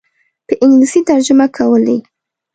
په انګلیسي ترجمه کولې.